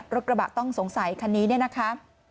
รถกระบะต้องสงสัยคันนี้เนี่ยนะคะ